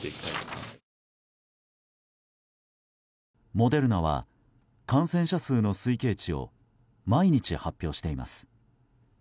モデルナは感染者数の推計値を毎日発表しています。